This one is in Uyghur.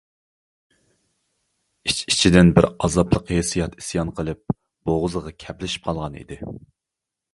ئىچ-ئىچىدىن بىر ئازابلىق ھېسسىيات ئىسيان قىلىپ بوغۇزىغا كەپلىشىپ قالغان ئىدى.